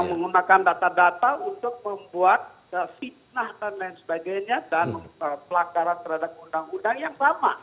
menggunakan data data untuk membuat fitnah dan lain sebagainya dan pelanggaran terhadap undang undang yang sama